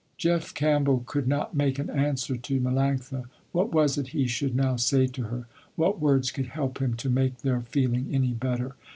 Jeff Campbell could not make an answer to Melanctha. What was it he should now say to her? What words could help him to make their feeling any better?